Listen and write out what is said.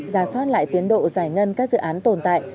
ra soát lại tiến độ giải ngân các dự án tồn tại